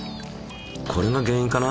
これが原因かな？